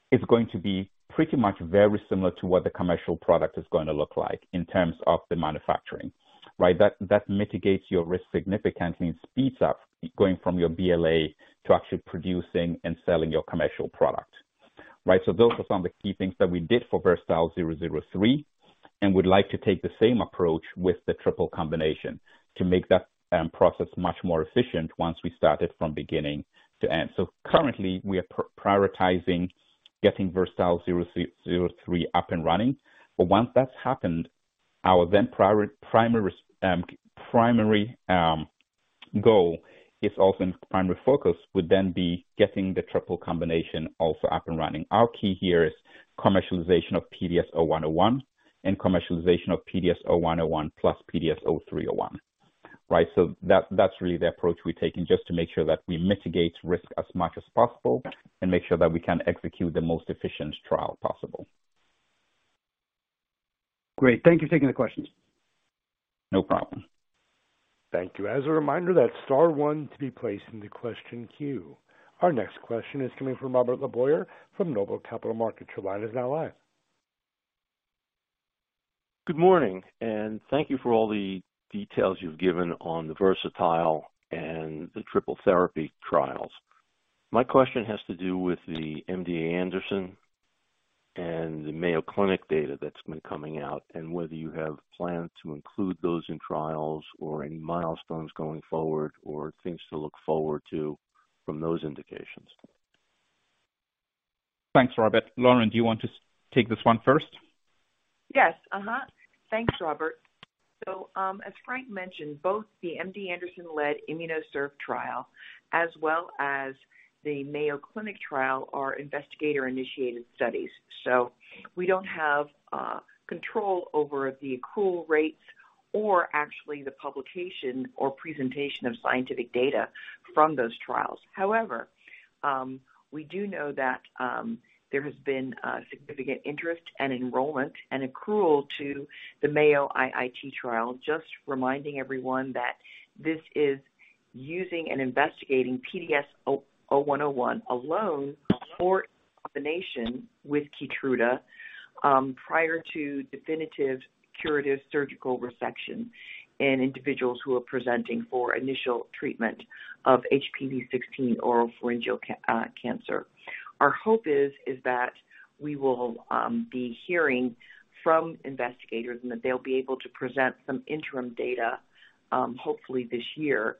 it's going to be pretty much very similar to what the commercial product is gonna look like in terms of the manufacturing, right? That mitigates your risk significantly and speeds up going from your BLA to actually producing and selling your commercial product, right? Those are some of the key things that we did for VERSATILE-003, and we'd like to take the same approach with the triple combination to make that process much more efficient once we started from beginning to end. Currently we are prioritizing getting VERSATILE-003 up and running. Once that's happened, our then primary goal is often primary focus would then be getting the triple combination also up and running. Our key here is commercialization of PDS0101 and commercialization of PDS0101 plus PDS0301, right? That's really the approach we're taking just to make sure that we mitigate risk as much as possible and make sure that we can execute the most efficient trial possible. Great. Thank you for taking the questions. No problem. Thank you. As a reminder, that's star one to be placed into question queue. Our next question is coming from Robert LeBoyer from Noble Capital Markets. Your line is now live. Good morning, and thank you for all the details you've given on the Versatile and the triple therapy trials. My question has to do with the MD Anderson and the Mayo Clinic data that's been coming out and whether you have plans to include those in trials or any milestones going forward or things to look forward to from those indications. Thanks, Robert. Lauren, do you want to take this one first? Yes. Thanks, Robert. As Frank mentioned, both the MD Anderson-led IMMUNOCERV trial as well as the Mayo Clinic trial are investigator-initiated studies. We don't have control over the accrual rates or actually the publication or presentation of scientific data from those trials. However, we do know that there has been a significant interest and enrollment and accrual to the Mayo IIT trial. Just reminding everyone that this is using and investigating PDS0101 alone or in combination with KEYTRUDA prior to definitive curative surgical resection in individuals who are presenting for initial treatment of HPV-16 oropharyngeal cancer. Our hope is that we will be hearing from investigators and that they'll be able to present some interim data, hopefully this year,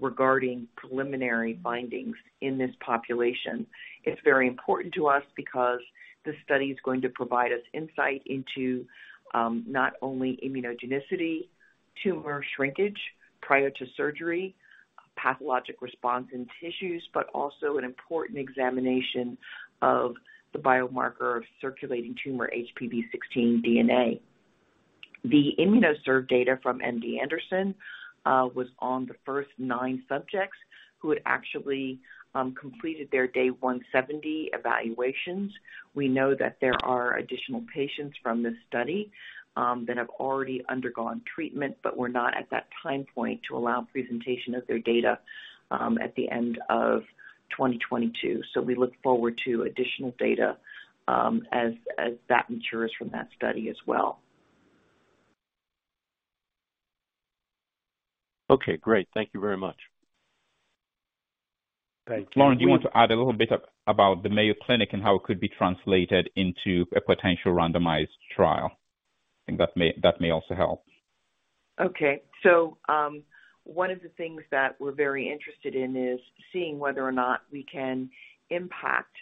regarding preliminary findings in this population. It's very important to us because the study is going to provide us insight into not only immunogenicity, tumor shrinkage prior to surgery, pathologic response in tissues, but also an important examination of the biomarker of circulating tumor HPV-16 DNA. The IMMUNOCERV data from MD Anderson was on the first 9 subjects who had actually completed their day 170 evaluations. We know that there are additional patients from this study that have already undergone treatment but were not at that time point to allow presentation of their data at the end of 2022. We look forward to additional data as that matures from that study as well. Okay, great. Thank you very much. Thank you. Lauren, do you want to add a little bit about the Mayo Clinic and how it could be translated into a potential randomized trial? I think that may also help. Okay. One of the things that we're very interested in is seeing whether or not we can impact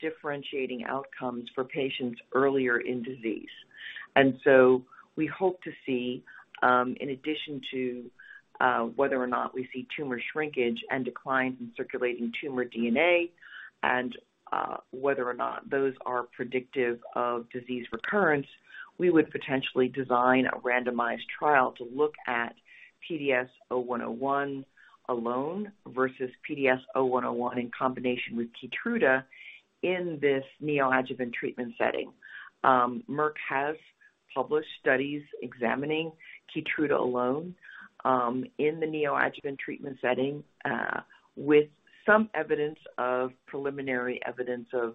differentiating outcomes for patients earlier in disease. We hope to see, in addition to, whether or not we see tumor shrinkage and declines in circulating tumor DNA. Whether or not those are predictive of disease recurrence, we would potentially design a randomized trial to look at PDS0101 alone versus PDS0101 in combination with KEYTRUDA in this neoadjuvant treatment setting. Merck has published studies examining KEYTRUDA alone, in the neoadjuvant treatment setting, with some evidence of preliminary evidence of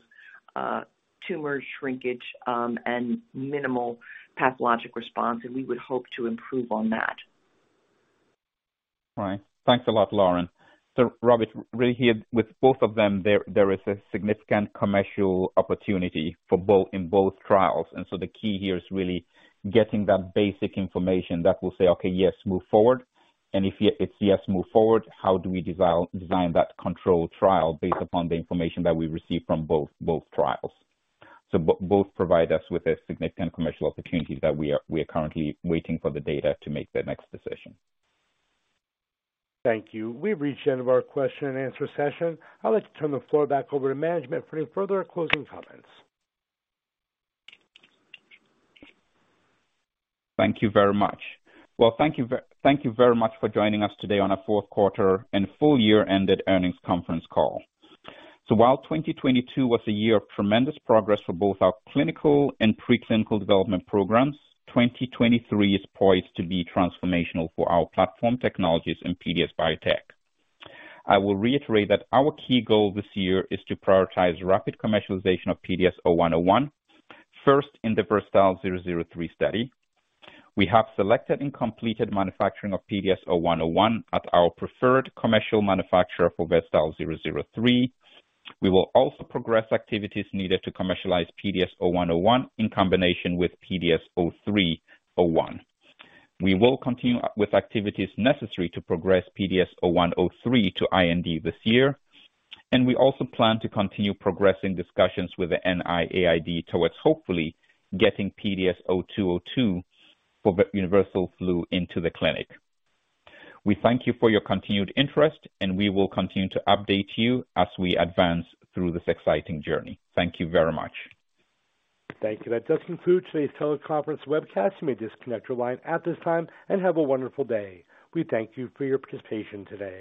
tumor shrinkage, and minimal pathologic response, and we would hope to improve on that. Right. Thanks a lot, Lauren. Robert LeBoyer, really here with both of them, there is a significant commercial opportunity for both in both trials. The key here is really getting that basic information that will say, okay, yes, move forward. If it's yes, move forward, how do we design that controlled trial based upon the information that we receive from both trials? Both provide us with a significant commercial opportunity that we are currently waiting for the data to make that next decision. Thank you. We've reached the end of our question-and-answer session. I'd like to turn the floor back over to management for any further closing comments. Thank you very much. Well, thank you very much for joining us today on our fourth quarter and full year-ended earnings conference call. While 2022 was a year of tremendous progress for both our clinical and pre-clinical development programs, 2023 is poised to be transformational for our platform technologies in PDS Biotech. I will reiterate that our key goal this year is to prioritize rapid commercialization of PDS0101, first in the VERSATILE-003 study. We have selected and completed manufacturing of PDS0101 at our preferred commercial manufacturer for VERSATILE-003. We will also progress activities needed to commercialize PDS0101 in combination with PDS0301. We will continue with activities necessary to progress PDS0103 to IND this year, and we also plan to continue progressing discussions with the NIAID towards hopefully getting PDS0202 for universal flu into the clinic. We thank you for your continued interest, and we will continue to update you as we advance through this exciting journey. Thank you very much. Thank you. That does conclude today's teleconference webcast. You may disconnect your line at this time, and have a wonderful day. We thank you for your participation today.